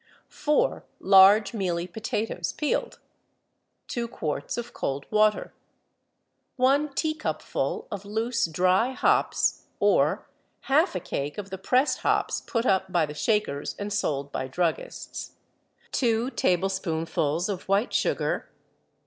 Four large mealy potatoes, peeled. Two quarts of cold water. One teacupful of loose, dry hops, or, half a cake of the pressed hops put up by the Shakers and sold by druggists. Two tablespoonfuls of white sugar.